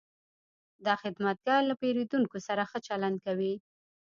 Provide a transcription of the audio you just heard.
دا خدمتګر له پیرودونکو سره ښه چلند کوي.